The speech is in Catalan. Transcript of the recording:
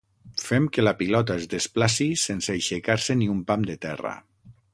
Fem que la pilota es desplaci sense aixecar-se ni un pam de terra.